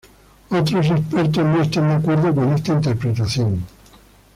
Otros expertos no están de acuerdo con esta interpretación.